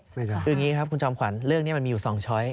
คืออย่างนี้ครับคุณจอมขวัญเรื่องนี้มันมีอยู่๒ช้อย